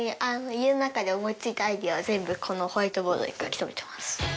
家の中で思い付いたアイデアは全部このホワイトボードに書き留めてます。